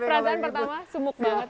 perasaan pertama semuk banget